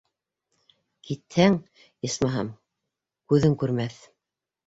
Китһәң, исмаһам, күҙең күрмәҫ.